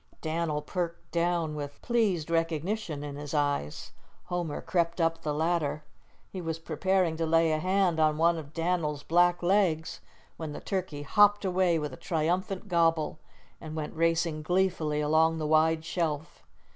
Dan'l perked down with pleased recognition in his eyes. Homer crept up the ladder. He was preparing to lay a hand on one of Dan'l's black legs when the turkey hopped away with a triumphant gobble, and went racing gleefully along the wide shelf.